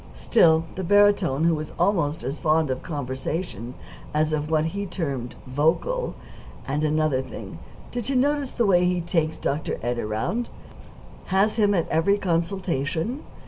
Still the barytone, who was almost as fond of conversation as of what he termed "vocal." "And another thing. Do you notice the way he takes Dr. Ed around? Has him at every consultation.